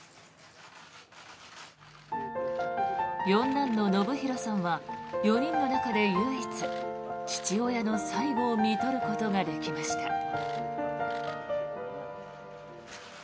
四男の延啓さんは４人の中で唯一父親の最期をみとることができました。